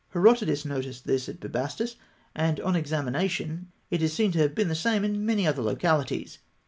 Herodotus noticed this at Bubastis, and on examination it is seen to have been the same in many other localities.